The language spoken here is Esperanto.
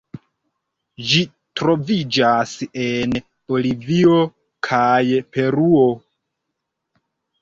Ĝi troviĝas en Bolivio kaj Peruo.